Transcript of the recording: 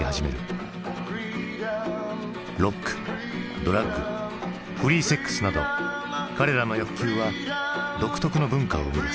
ロックドラッグフリーセックスなど彼らの欲求は独特の文化を生み出す。